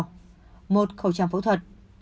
một khẩu trang phẫu thuật